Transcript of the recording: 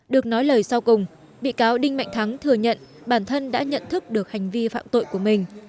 được nói lời sau cùng bị cáo đinh mạnh thắng thừa nhận bản thân đã nhận thức được hành vi phạm tội của mình